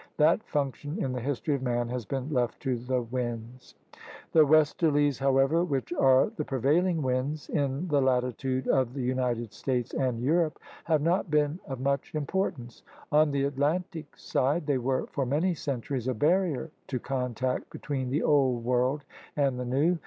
That function in the history of man has been left to the wunds. The westerlies, however, which are the prevailing winds in the latitude of the United States and Europe, have not been of much importance. On the Atlan tic side they were for many centuries a barrier to contact between the Old World and the New.